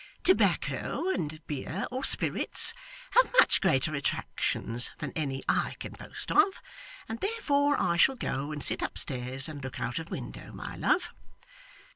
Tobacco and beer, or spirits, have much greater attractions than any I can boast of, and therefore I shall go and sit upstairs and look out of window, my love.